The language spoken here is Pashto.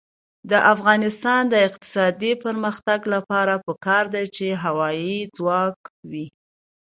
د افغانستان د اقتصادي پرمختګ لپاره پکار ده چې هوایی ځواک وي.